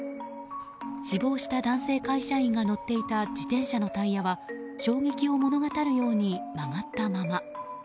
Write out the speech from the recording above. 死亡した男性会社員が乗っていた自転車のタイヤは衝撃を物語るように曲がったまま。